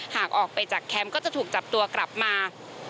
หากออกไปจากแคมป์ก็จะถูกจับตัวกลับมา